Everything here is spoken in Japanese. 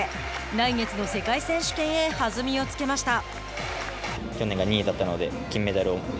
来月の世界選手権へ弾みをつけました。